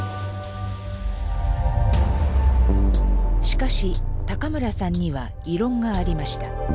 しかし村さんには異論がありました。